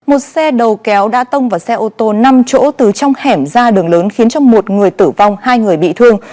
một xe đầu kéo đã tông vào xe ô tô năm chỗ từ trong hẻm ra đường lớn khiến cho một người tử vong hai người bị thương